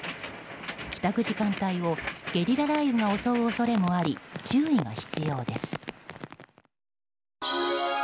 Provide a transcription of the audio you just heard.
帰宅時間帯をゲリラ雷雨が襲う恐れもあり注意が必要です。